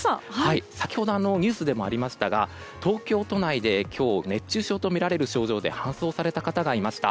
先ほど、ニュースでもありましたが東京都内で今日、熱中症とみられる症状で搬送された方がいました。